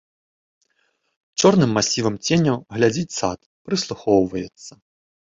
Чорным масівам ценяў глядзіць сад, прыслухоўваецца.